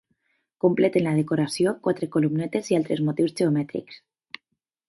Completen la decoració quatre columnetes i altres motius geomètrics.